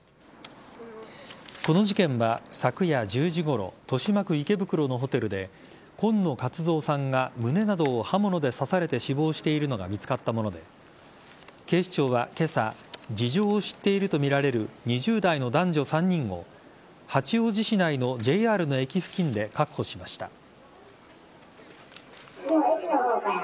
この事件は昨夜１０時ごろ豊島区池袋のホテルで今野勝蔵さんが胸などを刃物で刺されて死亡しているのが見つかったもので警視庁は今朝事情を知っているとみられる２０代の男女３人を八王子市内のＪＲの駅付近で確保しました。